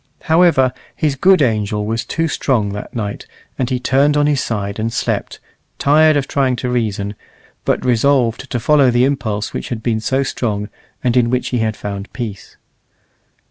However, his good angel was too strong that night, and he turned on his side and slept, tired of trying to reason, but resolved to follow the impulse which had been so strong, and in which he had found peace.